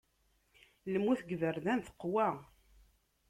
Lmut deg yiberdan teqwa.